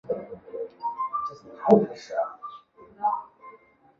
四名小孩必须得协助推翻他邪恶叔叔米拉兹的暴政统治。